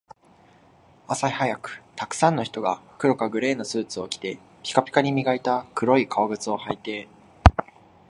朝早く、沢山の人が黒かグレーのスーツを着て、ピカピカに磨いた黒い革靴を履いて